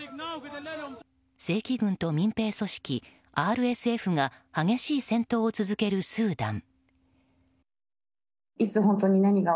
正規軍と民兵組織ＲＳＦが激しい戦闘を続けるスーダン。